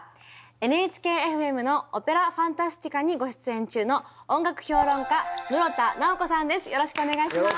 ＮＨＫーＦＭの「オペラ・ファンタスティカ」にご出演中のよろしくお願いします。